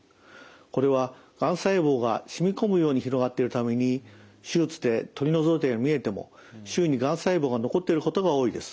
これはがん細胞が染み込むように広がっているために手術で取り除いたように見えても周囲にがん細胞が残っていることが多いです。